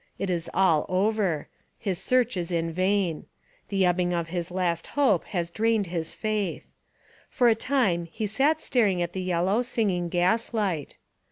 It Is all over. His search Is vain. The ebbing of his last hope has drained his faith. ... For a time he sat staring at the yellow, singing gas light.